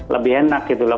lebih enak gitu lah